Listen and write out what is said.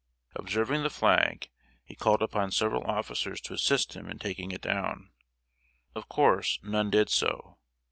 Observing the flag, he called upon several officers to assist him in taking it down. Of course, none did so.